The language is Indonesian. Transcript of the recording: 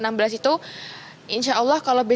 insya allah kalau besok saya ada kesempatan lagi